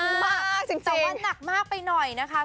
มันมากจริงจริงแต่ว่านักมากไปหน่อยนะคะ